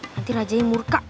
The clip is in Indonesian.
nanti rajanya murka